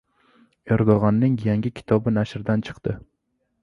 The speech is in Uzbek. Erdo‘g‘onning yangi kitobi nashrdan chiqdi